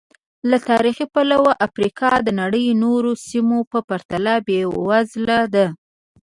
له تاریخي پلوه افریقا د نړۍ نورو سیمو په پرتله بېوزله ده.